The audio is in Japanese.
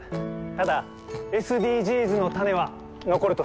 ただＳＤＧｓの種は残ると信じてます。